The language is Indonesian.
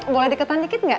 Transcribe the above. boleh deketan dikit nggak